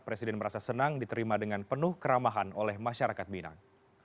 presiden merasa senang diterima dengan penuh keramahan oleh masyarakat minang